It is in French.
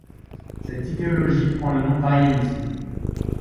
Cette idéologie prend le nom d'aryanisme.